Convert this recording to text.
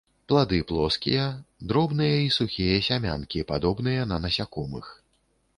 Плады плоскія, дробныя і сухія сямянкі, падобныя на насякомых.